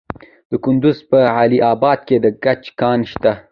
د کندز په علي اباد کې د ګچ کان شته.